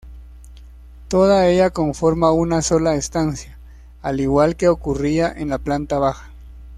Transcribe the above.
Toda ella conforma una sola estancia, al igual que ocurría en la planta baja.